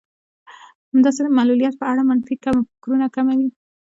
همداسې د معلوليت په اړه منفي فکرونه کموي.